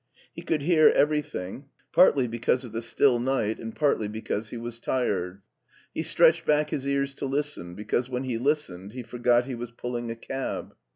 He could hear everything, partly be 98 MARTIN SCHULER otuse of the still night and partly because he was tired. He stretched back his ears to listen, because when he listened he forgot he was pulling a cab.